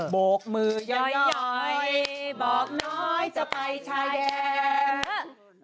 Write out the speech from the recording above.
โบกมือใหญ่บอกน้อยจะไปชายแดน